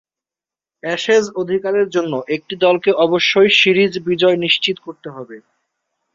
Ashes অধিকারের জন্য একটি দলকে অবশ্যই সিরিজ বিজয় নিশ্চিত করতে হবে।